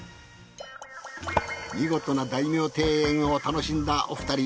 見事な大名庭園を楽しんだお二人。